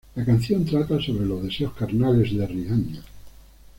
La canción trata sobre los deseos carnales de Rihanna.